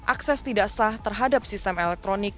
akses tidak sah terhadap sistem elektronik